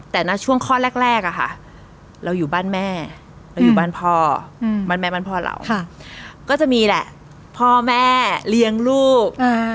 แต่ณช่วงข้อแรกอะค่ะเราอยู่บ้านแม่เราอยู่บ้านพ่อบ้านแม่บ้านพ่อเราก็จะมีแหละพ่อแม่เลี้ยงลูก